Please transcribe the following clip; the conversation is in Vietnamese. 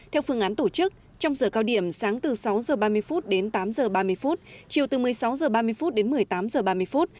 theo phương án tổ chức trong giờ cao điểm sáng từ sáu h ba mươi đến tám h ba mươi chiều từ một mươi sáu h ba mươi đến một mươi tám h ba mươi phút